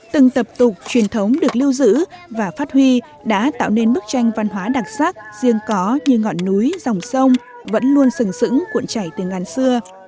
từng tập tục truyền thống được lưu giữ và phát huy đã tạo nên bức tranh văn hóa đặc sắc riêng có như ngọn núi dòng sông vẫn luôn sừng sững cuộn chảy từ ngàn xưa